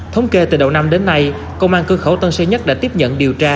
thống kê từ đầu năm đến nay công an cơ khẩu tân sơ nhất đã tiếp nhận điều tra